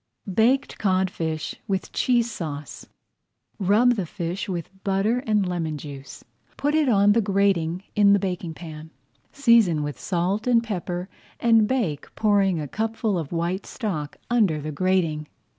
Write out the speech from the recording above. BAKED CODFISH WITH CHEESE SAUCE Rub the fish with butter and lemon juice, put it on the grating in the baking pan, season with salt and pepper, and bake, pouring a cupful of white stock under the grating.